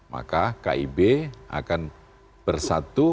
maka kib akan bersatu